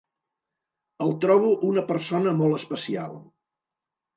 El trobo una persona molt especial.